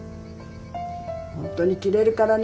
本当に切れるからね。